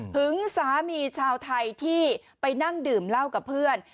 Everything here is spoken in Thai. สามีชาวไทยที่ไปนั่งดื่มเหล้ากับเพื่อน